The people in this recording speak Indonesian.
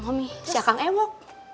mami siakang ewok